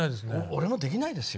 俺もできないですよ。